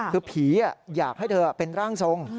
คือผีอยากให้เธอเป็นร่างทรง